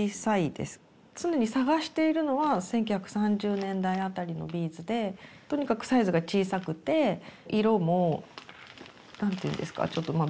常に探しているのは１９３０年代あたりのビーズでとにかくサイズが小さくて色も何て言うんですかちょっとまあ